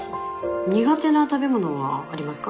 苦手な食べ物はありますか？